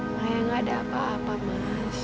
makanya gak ada apa apa mas